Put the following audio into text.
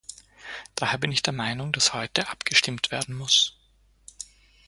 Daher bin ich der Meinung, dass heute abgestimmt werden muss.